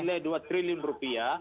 senilai dua triliun rupiah